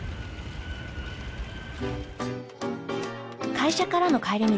会社からの帰り道。